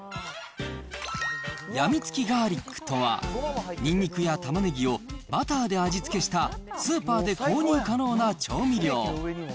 やみつきガーリックとは、にんにくやたまねぎをバターで味付けしたスーパーで購入可能な調味料。